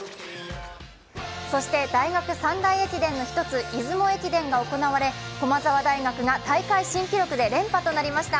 そして大学三大駅伝の一つ出雲駅伝が行われ、駒澤大学が大会新記録で連覇となりました。